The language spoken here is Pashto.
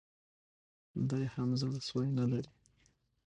دی هم زړه سوی نه لري